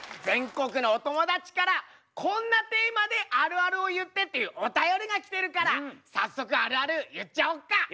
全国のお友達からこんなテーマであるあるを言ってっていうお便りが来てるから早速あるある言っちゃおっか。